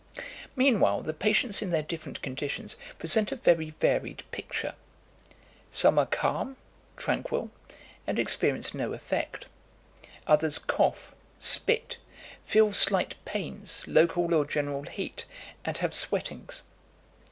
"Meanwhile the patients in their different conditions present a very varied picture. Some are calm, tranquil, and experience no effect. Others cough, spit, feel slight pains, local or general heat, and have sweatings.